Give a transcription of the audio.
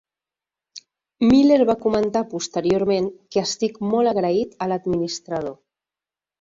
Miller va comentar posteriorment que estic molt agraït a l'administrador.